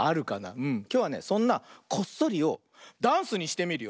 きょうはねそんなこっそりをダンスにしてみるよ。